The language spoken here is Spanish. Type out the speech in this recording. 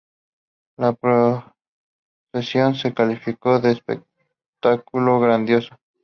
La procesión se calificó de espectáculo grandioso.